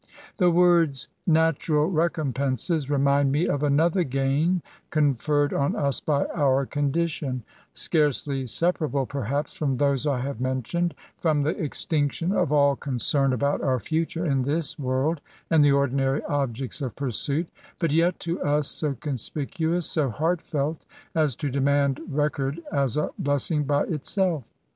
The words " natural recompenses" remind me of another gain conferred on us by our condition — scarcely separable, perhaps, from those I have nientioned — from the extinction of all concern about our future in this world, and the ordinary objects of pursuit; but yet to us so conspicuous, 80 heartfelt, as to demand record as a blessing by itself.